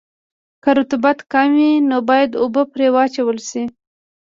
که رطوبت کم وي نو باید اوبه پرې واچول شي